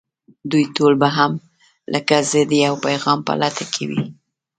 دوی ټول به هم لکه زه د يوه پيغام په لټه کې وي.